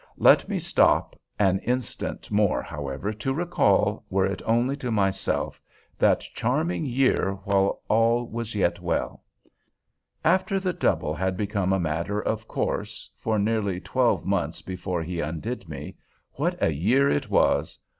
Let me stop an instant more, however, to recall, were it only to myself, that charming year while all was yet well. After the double had become a matter of course, for nearly twelve months before he undid me, what a year it was!